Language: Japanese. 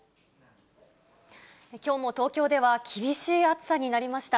きょうも東京では厳しい暑さになりました。